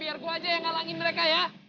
biar gue aja yang ngalangin mereka ya